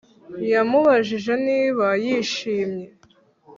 Yamubajije niba yishimye